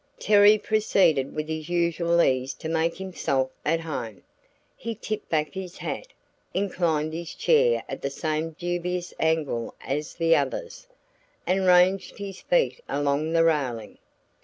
Terry proceeded with his usual ease to make himself at home. He tipped back his hat, inclined his chair at the same dubious angle as the others, and ranged his feet along the railing.